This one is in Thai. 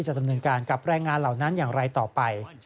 จะดำเนินการกับแรงงานเหล่านั้นอย่างไรต่อไป